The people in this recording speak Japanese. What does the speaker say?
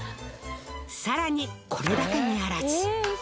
さらにこれだけにあらず。